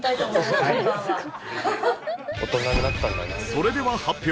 それでは発表。